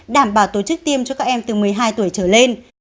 đảm bảo tổ chức tiêm cho các em từ một mươi hai tuổi trở lên